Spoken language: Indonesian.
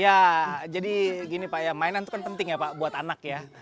ya jadi gini pak ya mainan itu kan penting ya pak buat anak ya